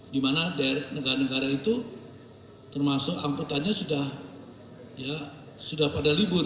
di mana negara negara itu termasuk angkutannya sudah pada libur